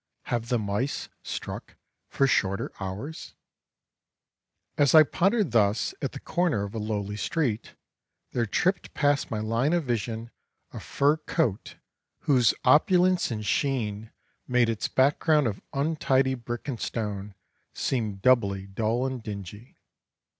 Have the mice struck for shorter hours? As I pondered thus at the corner of a lowly street, there tripped past my line of vision a fur coat whose opulence and sheen made its background of untidy brick and stone seem doubly dull and dingy.